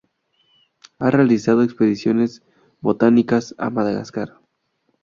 Ha realizado expediciones botánicas a Madagascar.